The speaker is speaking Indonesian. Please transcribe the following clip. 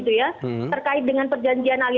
terkait dengan perjanjian aliansi